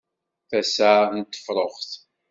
Tasa n tefruxt.